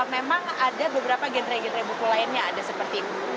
memang ada beberapa genre genre buku lainnya ada seperti itu